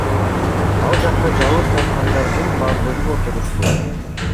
Ал жакта жабыр тарткандардын бардыгы отурушту.